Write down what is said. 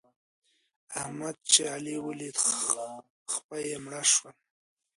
احمد چې علي وليد؛ خپه يې مړه شول.